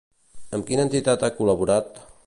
Amb quina entitat ha col·laborat?